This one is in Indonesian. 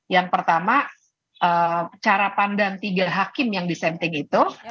yang pertama cara pandang tiga hakim yang disenting itu